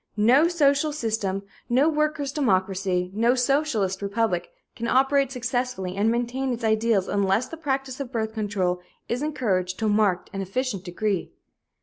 No social system, no workers' democracy, no Socialist republic can operate successfully and maintain its ideals unless the practice of birth control is encouraged to a marked and efficient degree.